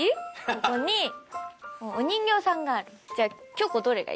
ここにお人形さんがある。